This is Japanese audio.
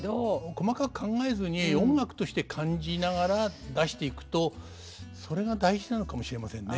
細かく考えずに音楽として感じながら出していくとそれが大事なのかもしれませんね。